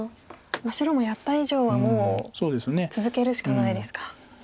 白もやった以上はもう続けるしかないですか。